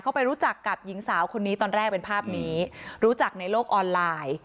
เขาไปรู้จักกับหญิงสาวคนนี้ตอนแรกเป็นภาพนี้รู้จักในโลกออนไลน์